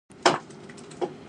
Mr. Dodd says so.